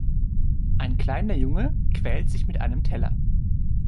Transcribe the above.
Ein kleiner Junge quält sich mit einem Teller.